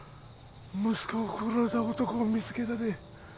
息子を殺した男を見つけたで